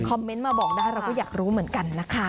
เมนต์มาบอกได้เราก็อยากรู้เหมือนกันนะคะ